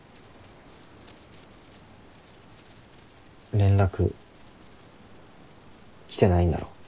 連絡来てないんだろ？